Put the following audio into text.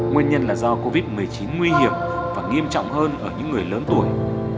nguyên nhân là do covid một mươi chín nguy hiểm và nghiêm trọng hơn ở những người lớn tuổi